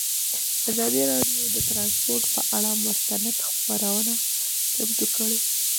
ازادي راډیو د ترانسپورټ پر اړه مستند خپرونه چمتو کړې.